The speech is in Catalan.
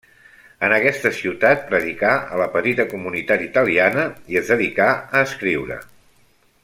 En aquesta ciutat predicà a la petita comunitat italiana i es dedicà a escriure.